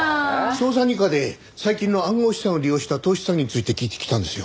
捜査二課で最近の暗号資産を利用した投資詐欺について聞いてきたんですよ。